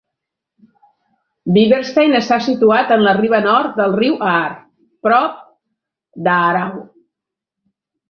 Biberstein està situat en la riba nord del riu Aar, prop d' Aarau.